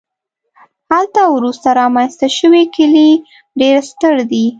هلته وروسته رامنځته شوي کلي ډېر ستر دي